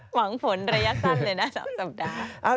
หวังฝนระยะสั้นเลยนะ๒สัปดาห์